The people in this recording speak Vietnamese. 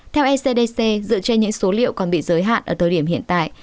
theo ecdc dựa trên những số liệu còn bị giới hạn ở thời điểm hiện tại